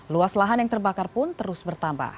luas lahan yang terbakar pun terus bertambah